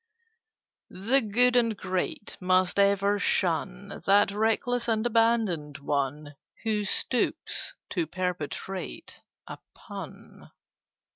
"The Good and Great must ever shun That reckless and abandoned one Who stoops to perpetrate a pun.